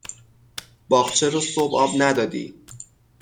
باغچه رو صبح آب ندادی